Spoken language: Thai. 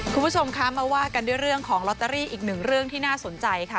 คุณผู้ชมคะมาว่ากันด้วยเรื่องของลอตเตอรี่อีกหนึ่งเรื่องที่น่าสนใจค่ะ